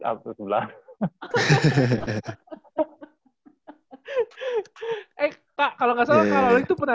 eh kak kalau gak salah kak loli tuh pernah